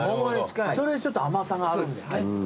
それでちょっと甘さがあるんですね。